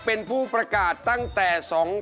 เป็นผู้ประกาศตั้งแต่๒๕๖